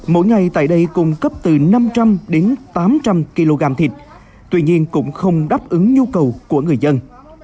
mỗi ngày tại đây cung cấp từ năm trăm linh đến tám trăm linh kg thịt tuy nhiên cũng không đáp ứng nhu cầu của người dân